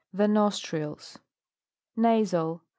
The nostrils. NASAL.